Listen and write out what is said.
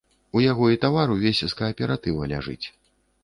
У яго і тавар увесь з кааператыва ляжыць.